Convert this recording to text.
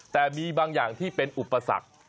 แต่มีบางอย่างที่เป็นอุปสรรค